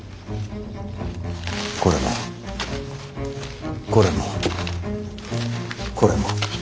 これもこれもこれも。